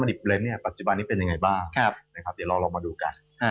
เดี๋ยวเราลองมาดูกัน